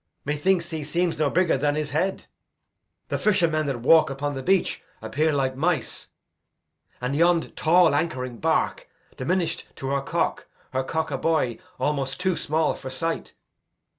Methinks he seems no bigger than his head. The fishermen that walk upon the beach Appear like mice; and yond tall anchoring bark, Diminish'd to her cock; her cock, a buoy Almost too small for sight.